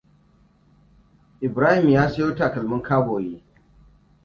Ibrahim ya sayo takalmin kaboyi.